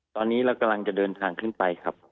ตอนนี้เรากำลังจะเดินทางขึ้นไปครับ